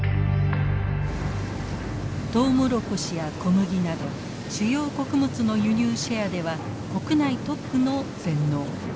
トウモロコシや小麦など主要穀物の輸入シェアでは国内トップの全農。